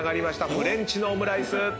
フレンチのオムライス。